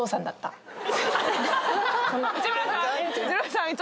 内村さん。